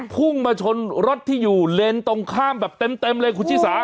พุ่งมาชนรถที่อยู่เลนส์ตรงข้ามแบบเต็มเลยคุณชิสา